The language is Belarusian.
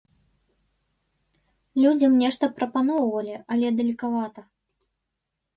Людзям нешта прапаноўвалі, але далекавата.